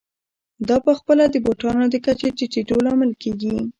دا په خپله د بوټانو د کچې ټیټېدو لامل کېږي